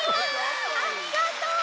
ありがとう！